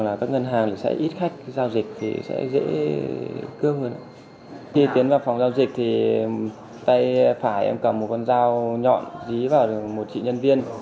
đặc biệt tay phải em cầm một con dao nhọn dí vào một chị nhân viên